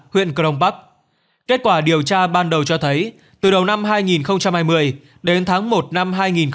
huyện krongpak kết quả điều tra ban đầu cho thấy từ đầu năm hai nghìn hai mươi đến tháng một năm hai nghìn hai mươi bốn